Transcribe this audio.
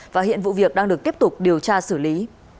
và hiện vụ việc đang được tiếp tục điều tra xử lý